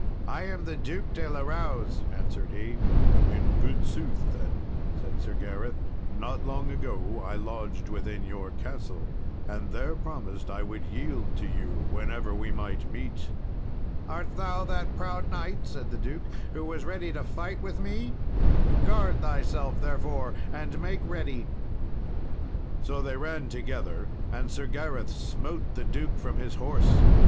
"I am the Duke de la Rowse," answered he. "In good sooth," then said Sir Gareth, "not long ago I lodged within your castle, and there promised I would yield to you whenever we might meet." "Art thou that proud knight," said the duke, "who was ready to fight with me? Guard thyself therefore and make ready." So they ran together, and Sir Gareth smote the duke from his horse.